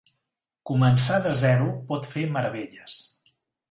Començar de zero pot fer meravelles.